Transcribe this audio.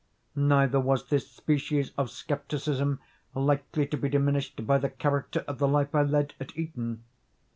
Neither was this species of scepticism likely to be diminished by the character of the life I led at Eton.